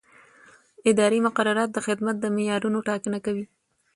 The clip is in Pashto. اداري مقررات د خدمت د معیارونو ټاکنه کوي.